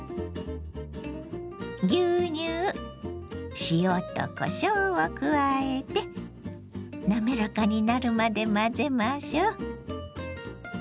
牛乳塩とこしょうを加えて滑らかになるまで混ぜましょう。